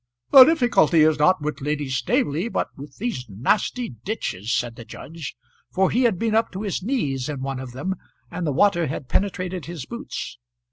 "The difficulty is not with Lady Staveley but with these nasty ditches," said the judge, for he had been up to his knees in one of them, and the water had penetrated his boots.